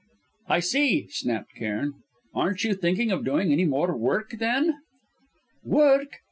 "I see!" snapped Cairn. "Aren't you thinking of doing any more work, then?" "Work!"